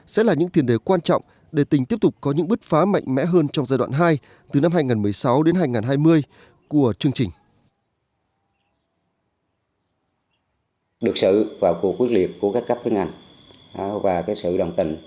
sẽ là những thiền đề quan trọng để tỉnh tiếp tục có những bứt phá mạnh mẽ hơn trong giai đoạn hai